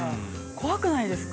怖くないですか。